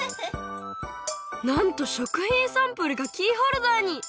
なんと食品サンプルがキーホルダーに！